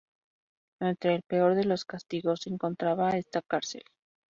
Entre el peor de los castigos se encontraba esta cárcel.